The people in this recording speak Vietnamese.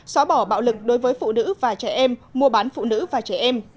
xóa bỏ bạo lực đối với phụ nữ và trẻ em mua bán phụ nữ và trẻ em